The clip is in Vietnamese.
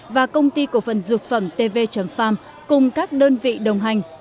và công ty cổ phần dược phẩm tv farm cùng các đơn vị đồng hành